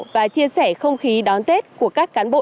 và chia sẻ không khí đón tết của các cán bộ